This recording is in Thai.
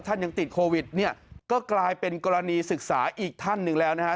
ท่านยังติดโควิดเนี่ยก็กลายเป็นกรณีศึกษาอีกท่านหนึ่งแล้วนะฮะ